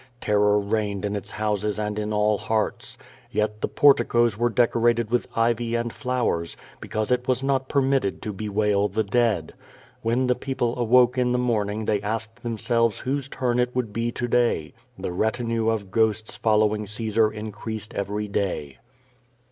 Terror reigned in its houses and in all hearts. Yet the por ticos were decorated with ivy and flowers, because it was not permitted to bewail the dead. When the people awoke in the morning they asked themselves whose turn it would be to day. The retinue of ghosts following Caesar increased every day.